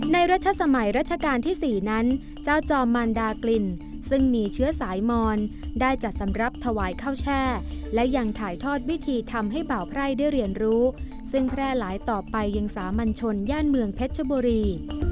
รัชสมัยรัชกาลที่๔นั้นเจ้าจอมมันดากลิ่นซึ่งมีเชื้อสายมอนได้จัดสำหรับถวายข้าวแช่และยังถ่ายทอดวิธีทำให้เบาไพร่ได้เรียนรู้ซึ่งแพร่หลายต่อไปยังสามัญชนย่านเมืองเพชรชบุรี